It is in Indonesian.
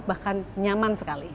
bahkan nyaman sekali